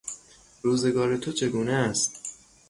روزگار تو چگونه است؟